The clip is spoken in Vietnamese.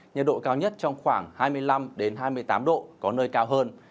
nhiệt độ cao nhất trong khoảng hai mươi năm hai mươi tám độ có nơi cao hơn